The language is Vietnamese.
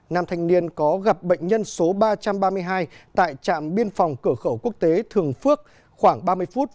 nam thanh niên có gặp bệnh nhân số ba trăm ba mươi hai tại trạm biên phòng cửa khẩu quốc tế thường phước khoảng ba mươi phút